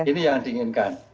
ini yang diinginkan